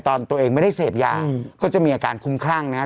ตอนตัวเองไม่ได้เสพยาก็จะมีอาการคุ้มครั่งนะครับ